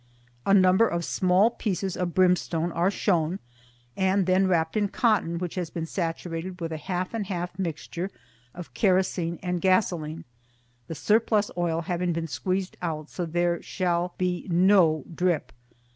A number of small pieces of brimstone are shown, and then wrapped in cotton which has been saturated with a half and half mixture of kerosene and gasoline, the surplus oil having been squeezed out so there shall be NO DRIP.